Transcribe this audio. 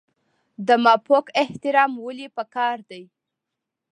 د مافوق احترام ولې پکار دی؟